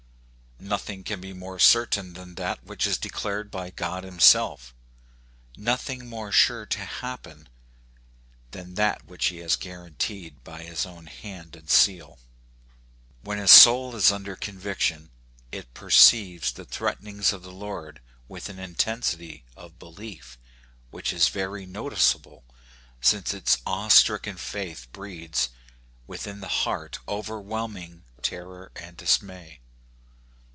Nothing can be more certain than that which is declared by God himself ; nothing more sure to happen than that which he has guaranteed by his own hand and seal. When a soul is under conviction, it perceives the threatenings of the Lord with an intensity of belief which is very noticeable, since its awe stricken faith breeds, within the heart overwhelm ing terror and dismay.